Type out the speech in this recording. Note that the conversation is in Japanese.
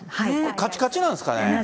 かちかちなんすかね？